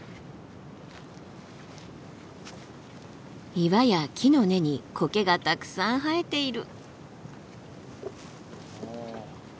岩や木の根にコケがたくさん生えている。